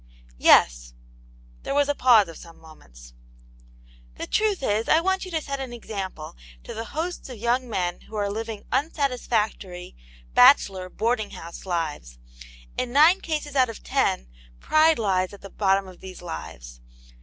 " Yes." There was a pause of some moments. The truth is, I want you to set an example ta the hosts of young men who are living unsatisfac tory, bachelor, boarding house lives. In nine cases out of ten pride lies at the bottom of these lives.